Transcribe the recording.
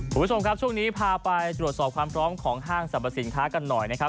คุณผู้ชมครับช่วงนี้พาไปตรวจสอบความพร้อมของห้างสรรพสินค้ากันหน่อยนะครับ